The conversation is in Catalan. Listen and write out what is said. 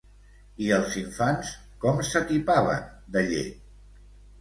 I els infants com s'atipaven de llet?